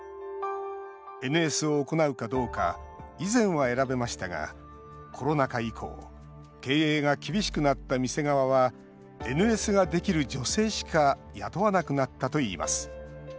ＮＳを行うかどうか以前は選べましたがコロナ禍以降経営が厳しくなった店側はＮＳができる女性しか雇わなくなったといいます。